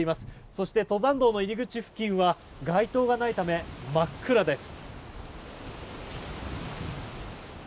そして、登山道の入り口付近は街灯がないため、真っ暗です。